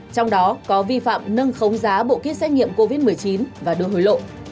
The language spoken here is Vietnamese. trong đó có vi phạm nâng khống giá bộ kit xét nghiệm covid một mươi chín và đưa hối lộ